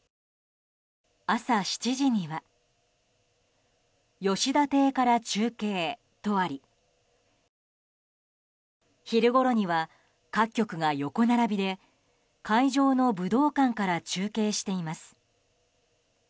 朝７時には「吉田邸から中継」とあり昼ごろには各局が横並びで会場の武道館から中継しています。